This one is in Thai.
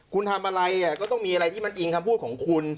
คุณทำอะไรก็ต้องมีอะไรที่มันอิงคำพูดของคุณ